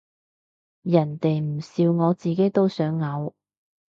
人哋唔笑我自己都想嘔